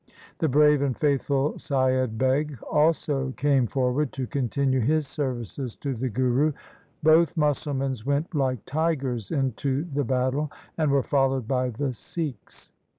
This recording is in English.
The brave and faithful Saiyad Beg also came forward to continue his services to the Guru, Both Musalmans went like tigers into the battle, and were followed by the Sikhs.